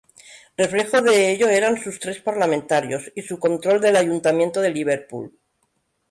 Reflejo de ello eran sus tres parlamentarios y su control del ayuntamiento de Liverpool.